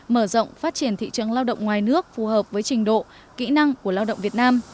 mở rộng phát triển thị trường lao động ngoài nước phù hợp với trình độ kỹ năng của lao động việt nam